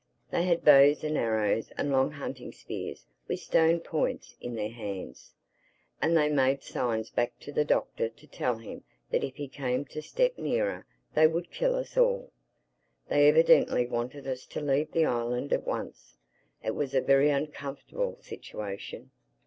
They had bows and arrows and long hunting spears, with stone points, in their hands; and they made signs back to the Doctor to tell him that if he came a step nearer they would kill us all. They evidently wanted us to leave the island at once. It was a very uncomfortable situation.